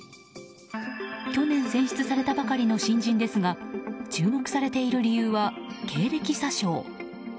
去年選出されたばかりの新人ですが注目されている理由は経歴詐称。